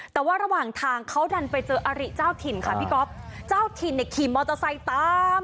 แต่ว่าระหว่างทางเขาดันไปเจออาริเจ้าถิ่นค่ะพี่ก๊อฟเจ้าถิ่นเนี่ยขี่มอเตอร์ไซค์ตาม